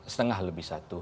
setengah lebih satu